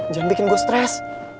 jangan bikin gua stres